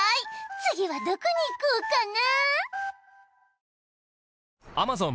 次はどこに行こうかな